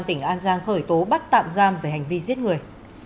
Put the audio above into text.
tỉnh an giang khởi tố bắt tạm giam về hành vi giết người